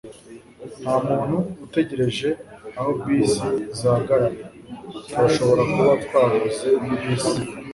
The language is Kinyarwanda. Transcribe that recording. ntamuntu utegereje aho bisi zihagarara. turashobora kuba twabuze bisi